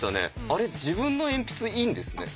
あれ自分の鉛筆いいんですね。